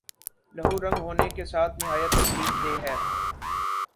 لہو رنگ ہونے کے ساتھ نہایت تکلیف دہ ہے